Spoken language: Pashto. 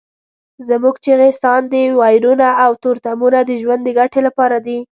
زموږ چیغې، ساندې، ویرونه او تورتمونه د ژوند د ګټې لپاره دي.